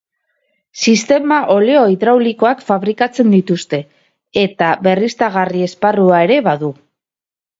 Sistema oleo-hidraulikoak fabrikatzen dituzte eta berriztagarri esparrua ere badu.